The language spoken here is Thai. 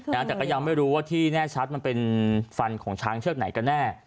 แต่ก็ยังไม่รู้ว่าที่แน่ชัดมันเป็นฟันของช้างเชือกไหนกันแน่